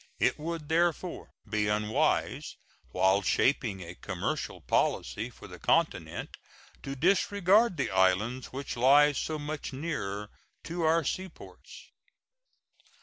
It would, therefore, be unwise, while shaping a commercial policy for the continent, to disregard the islands which lie so much nearer to our seaports.